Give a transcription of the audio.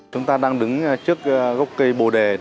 chúng ta đang đứng trước gốc cây bồ tát